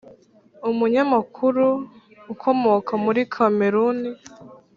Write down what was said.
umunyamakuru ukomoka muri kameruni,